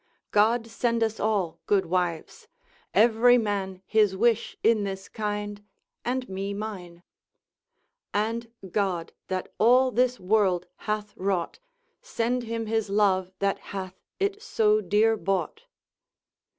God send us all good wives, every man his wish in this kind, and me mine! And God that all this world hath ywrought Send him his Love that hath it so deere bought.